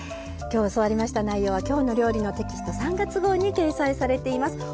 今日教わりました内容は「きょうの料理」のテキスト３月号に掲載されています。